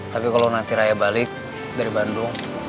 tapi kalau nanti raya balik dari bandung